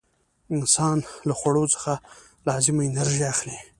انسان له خوړو څخه لازمه انرژي اخلي.